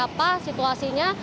tapi apa situasinya